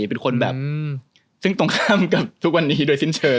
เป็นคนแบบซึ่งตรงข้ามกับทุกวันนี้โดยสิ้นเชิง